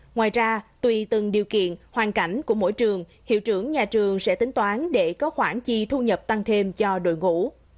ngoài ra tùy từng điều kiện hoàn cảnh của mỗi trường hiệu trưởng nhà trường sẽ tính toán để có khoản chi thu nhập tăng thêm cho đội ngũ